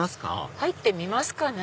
入ってみますかね。